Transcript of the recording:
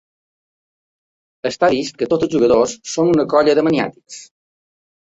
Està vist que tots els jugadors sou una colla de maniàtics.